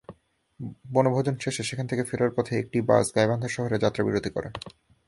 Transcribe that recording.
বনভোজন শেষে সেখান থেকে ফেরার পথে একটি বাস গাইবান্ধা শহরে যাত্রাবিরতি করে।